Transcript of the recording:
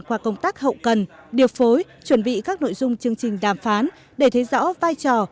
qua công tác hậu cần điều phối chuẩn bị các nội dung chương trình đàm phán để thấy rõ vai trò